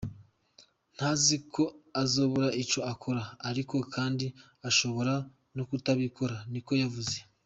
Ndazi ko atazobura ico akora, ariko kandi ashobora no kutabikora," niko yavuze.